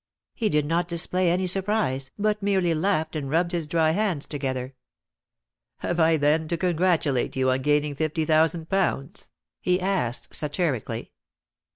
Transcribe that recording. He did not display any surprise, but merely laughed and rubbed his dry hands together. "Have I, then, to congratulate you on gaining fifty thousand pounds?" he asked satirically.